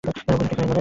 সবকিছু ঠিক হয়ে যাবে।